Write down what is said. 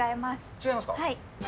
違いますか。